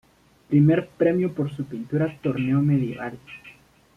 Primer premio por su pintura "Torneo Medieval"